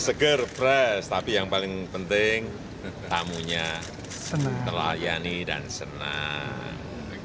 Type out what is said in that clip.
seger beras tapi yang paling penting tamunya telah nyani dan senang